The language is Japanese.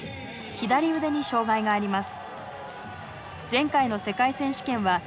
右腕に障害があります。